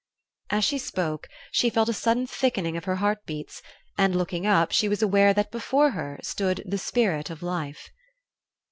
As she spoke she felt a sudden thickening of her heart beats, and looking up she was aware that before her stood the Spirit of Life.